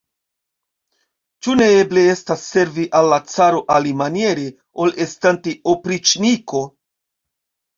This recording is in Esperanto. Ĉu ne eble estas servi al la caro alimaniere, ol estante opriĉniko?